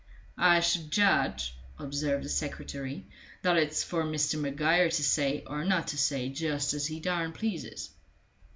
"I should judge," observed the secretary, "that it's for Mr. Maguire to say, or not to say, just as he darn pleases."